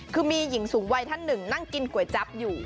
คือมีหญิงสูงวัยท่านหนึ่งนั่งกินก๋วยจั๊บอยู่